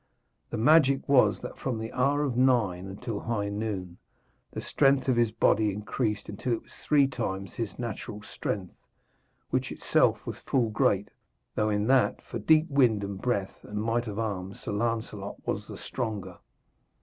The magic was that, from the hour of nine until high noon, the strength of his body increased until it was three times his natural strength, which itself was full great, though in that, for deep wind and breath and might of arm, Sir Lancelot was the stronger.